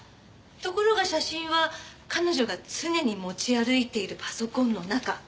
ところが写真は彼女が常に持ち歩いているパソコンの中。